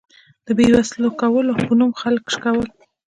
د بې وسلو کولو په نوم خلک شکول.